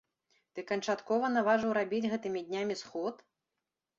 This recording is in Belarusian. Ты канчаткова наважыў рабіць гэтымі днямі сход?